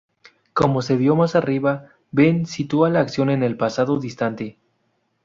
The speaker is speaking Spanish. Como se vio más arriba, been sitúa la acción en el pasado distante.